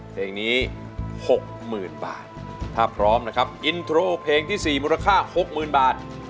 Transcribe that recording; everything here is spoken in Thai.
เพลงนี้๖๐๐๐บาทถ้าพร้อมนะครับอินโทรเพลงที่๔มูลค่า๖๐๐๐บาท